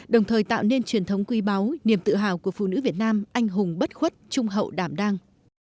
đồng thời tạo nên truyền thống quý báu niềm tự hào của phụ nữ việt nam anh hùng bất khuất trung hậu đảm đang